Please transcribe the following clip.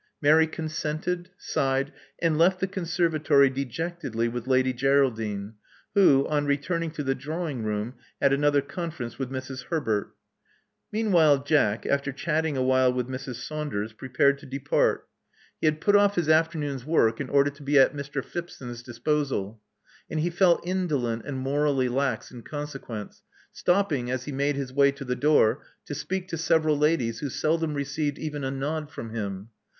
Mary consented; sighed; and left the conservatory dejectedly with Lady Geraldine, who, on returning to the drawing room had another conference with Mrs. Herbert. Meanwhile Jack, after chatting a while with Mrs. Saunders, prepared to depart. He had put ofif his 238 Love Among the Artists afternoon's work in order to be at Mr. Phipson's disposal ; and he felt indolent and morally lax in con sequence, stopping, as he made his way to the door, to speak to several ladies who seldom received even a nod from him.